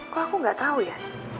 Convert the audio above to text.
kok aku nggak tahu ya